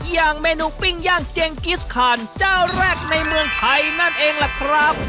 อย่างเมนูปิ้งย่างเจงกิสคานเจ้าแรกในเมืองไทยนั่นเองล่ะครับ